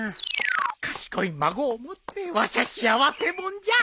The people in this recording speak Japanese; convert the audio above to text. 賢い孫を持ってわしゃ幸せもんじゃ！